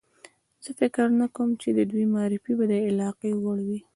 زه فکر نه کوم چې د دوی معرفي به د علاقې وړ وي.